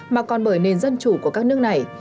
mà còn bởi nền dân chủ của các nước này